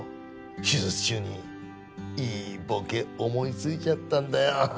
手術中にいいボケ思いついちゃったんだよ。